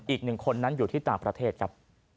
อีกหนึ่งคนนั้นอยู่ที่ต่างประเทศครับ